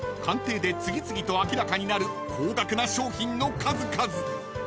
［鑑定で次々と明らかになる高額な商品の数々］